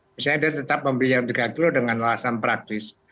misalnya dia tetap membeli yang tiga kilo dengan alasan praktis